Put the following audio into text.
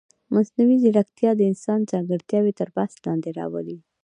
مصنوعي ځیرکتیا د انسان ځانګړتیاوې تر بحث لاندې راولي.